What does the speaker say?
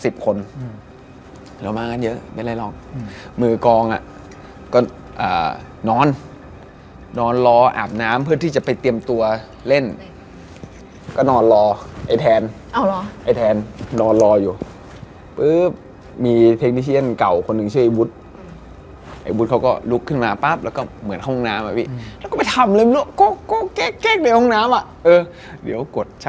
บ้านจัดสรรที่แบบเป็นบ้านเดียว